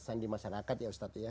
kesan di masyarakat ya ustadz ya